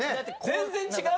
全然違う？